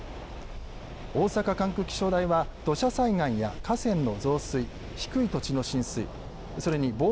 大阪管区気象台は土砂災害や河川の増水低い土地の浸水